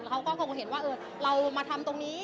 เขาก็คงเห็นว่าเรามาทำตรงนี้